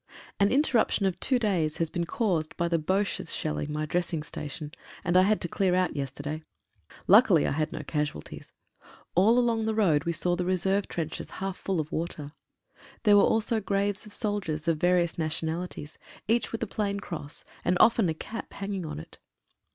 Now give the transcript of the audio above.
An interruption of two days has been caused by the Bodies shelling my dressing station, and I had to clear out yesterday. Luckily I had no casualties. All along the road we saw the reserve trenches half full of water. There were also graves of soldiers of various nationali ties, each with a plain cross, and often a cap hanging on it.